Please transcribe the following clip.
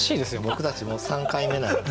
僕たちもう３回目なのに。